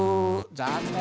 残念。